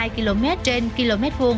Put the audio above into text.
hai hai km trên km hai